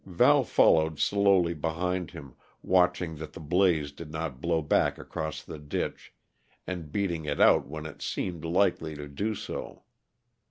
Val followed slowly behind him, watching that the blaze did not blow back across the ditch, and beating it out when it seemed likely to do so.